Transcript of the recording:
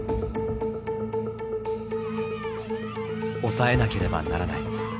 「抑えなければならない」。